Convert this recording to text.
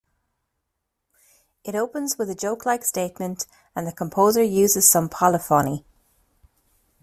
It opens with a joke-like statement, and the composer uses some polyphony.